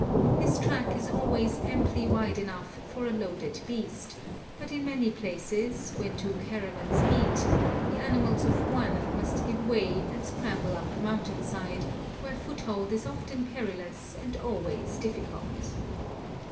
This track is always amply wide enough for a loaded beast, but in many places, when two caravans meet, the animals of one must give way and scramble up the mountain side, where foothold is often perilous, and always difficult.